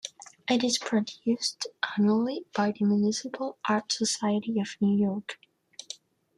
It is produced annually by the Municipal Art Society of New York.